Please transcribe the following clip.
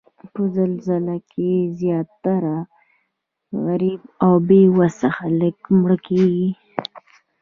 په زلزله کې زیاتره غریب او بې وسه خلک مړه کیږي